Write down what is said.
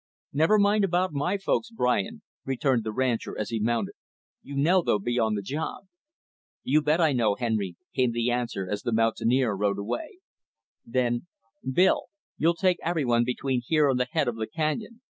"Never mind about my folks, Brian," returned the rancher as he mounted. "You know they'll be on the job." "You bet I know, Henry," came the answer as the mountaineer rode away. Then "Bill, you'll take every one between here and the head of the canyon.